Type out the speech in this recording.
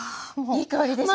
いい香りですね。